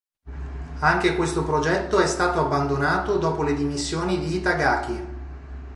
Anche questo progetto è stato abbandonato dopo le dimissioni di Itagaki.